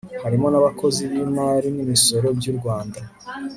harimo n'abakozi b'imari n'imisoro by'urwanda